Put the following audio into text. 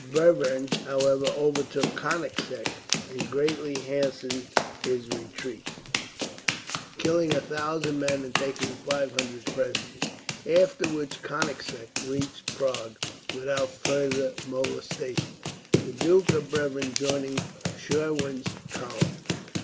Bevern, however, overtook Konigseck, and greatly hastened his retreat; killing a thousand men and taking five hundred prisoners, after which Konigseck reached Prague without further molestation, the Duke of Bevern joining Schwerin's column.